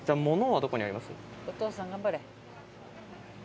お父さん頑張れ。